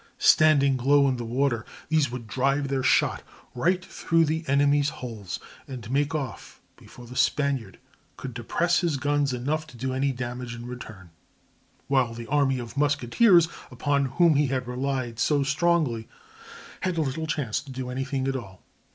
Standing low in the water, these would drive their shot right through the enemy's hulls, and make off before the Spaniard could depress his guns enough to do any damage in return; while the army of musketeers upon whom he had relied so strongly had little chance to do anything at all.